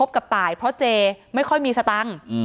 แล้วเจไม่ค่อยมีศัตรัง